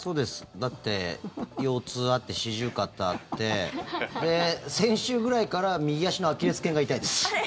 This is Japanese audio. だって、腰痛あって四十肩あって先週ぐらいから右足のアキレス腱が痛いです。